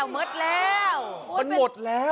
มันหมดแล้ว